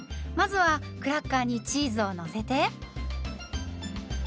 まずはクラッカーにチーズをのせて。